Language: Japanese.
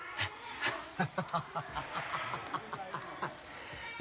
アハハハハ。